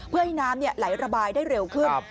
เพื่อให้น้ำไหลระบายได้เร็วขึ้น